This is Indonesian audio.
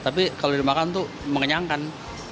tapi kalau dimakan tuh mengenyangkan